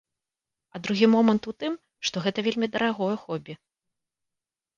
А другі момант у тым, што гэта вельмі дарагое хобі.